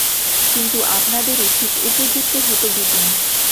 কিন্তু আপনাদেরই ঠিক উপযুক্ত হত– বিপিন।